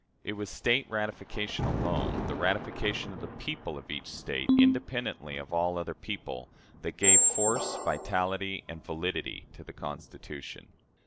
It was State ratification alone the ratification of the people of each State, independently of all other people that gave force, vitality, and validity to the Constitution.